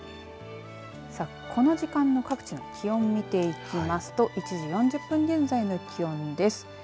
この時間の各地の気温見ていきますと１時４０分現在の気温です。